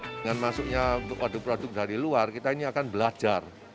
dengan masuknya produk produk dari luar kita ini akan belajar